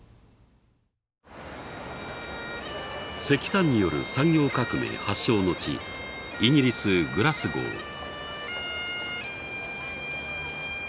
石炭による産業革命発祥の地イギリスグラスゴー。